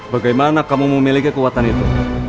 bagaimana kamu memiliki kekuatan itu